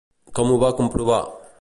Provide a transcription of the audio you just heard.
Com ho va comprovar?